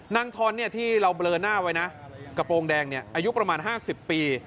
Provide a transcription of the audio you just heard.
ทอนที่เราเบลอหน้าไว้นะกระโปรงแดงอายุประมาณ๕๐ปี